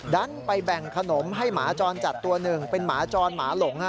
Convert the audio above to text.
ดันไปแบ่งขนมให้หมาจรจัดตัวหนึ่งเป็นหมาจรหมาหลง